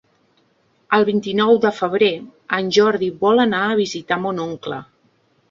El vint-i-nou de febrer en Jordi vol anar a visitar mon oncle.